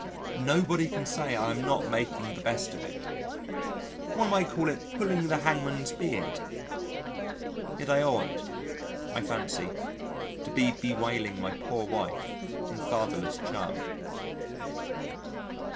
Nobody can say I am not making the best of it. One might call it pulling the hangman's beard. Yet I ought, I fancy, to be bewailing my poor wife and fatherless child.